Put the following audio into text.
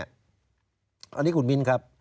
อันนี้คุณมิ้นครับ